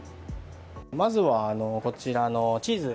まずは、こちらのチーズ。